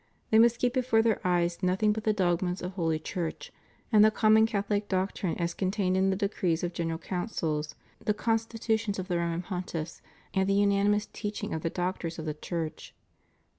They must keep before their eyes nothing but the dogmas of Holy Church, and the common Catholic doctrine as contained in the decrees of General Councils, the Constitutions of the Roman Pontiffs, and the unanimous teaching of the Doctors of the Church.